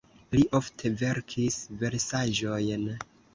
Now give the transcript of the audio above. Li ofte verkis versaĵojn.